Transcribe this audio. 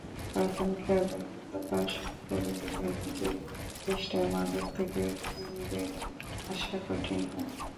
তখন কেবল মাদকাসক্ত রোগীদের নিজের চেষ্টায় মাদক থেকে ফিরে আসা কঠিন হয়।